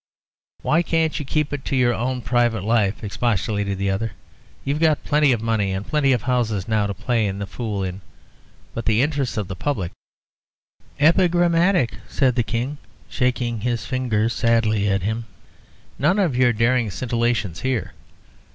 "Why can't you keep it to your own private life?" expostulated the other. "You've got plenty of money, and plenty of houses now to play the fool in, but in the interests of the public " "Epigrammatic," said the King, shaking his finger sadly at him. "None of your daring scintillations here.